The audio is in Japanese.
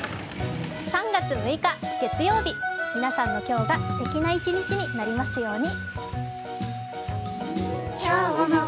３月３日月曜日皆さんの今日がすてきな一日になりますように。